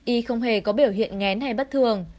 y không hề có biểu hiện ngén hay bất thường